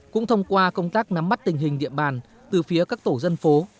cũng thông qua công tác nắm bắt tình hình địa bàn từ phía các tổ dân phố